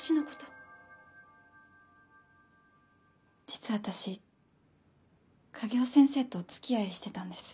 実は私影尾先生とお付き合いしてたんです。